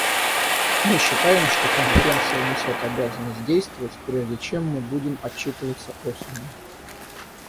Мы считаем, что Конференция несет обязанность действовать, прежде чем мы будем отчитываться осенью.